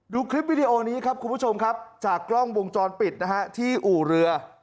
ดูคลิปวิดีโอนี้ครับคุณผู้ชมครับจากกล้องวงจรปิดนะฮะที่อู่เรือ